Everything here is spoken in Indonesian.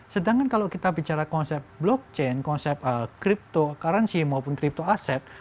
sedangkan kalau kita bicara konsep blockchain konsep cryptocurrency maupun crypto aset